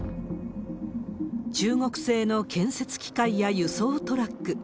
中国製の建設機械や輸送トラック。